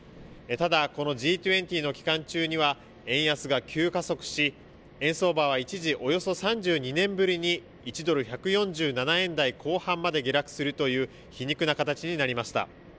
ただこのＧ２０の期間中には円安が急加速し円相場は一時およそ３２年ぶりに１ドル１４７円台後半まで下落するという皮肉な形になりました。